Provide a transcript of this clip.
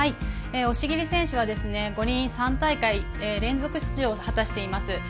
押切選手は、五輪３大会連続出場を果たしています。